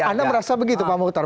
anda merasa begitu pak mukhtar